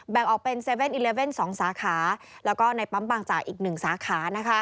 แบ่งออกเป็น๗๑๑๒สาขาแล้วก็ในปั๊มบางจากอีก๑สาขา